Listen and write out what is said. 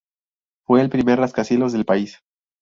Fue el primer rascacielos del país.